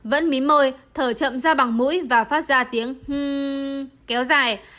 vẫn mím môi thở chậm ra bằng mũi và phát ra tiếng hưm kéo dài